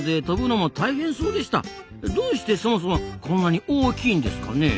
どうしてそもそもこんなに大きいんですかねえ？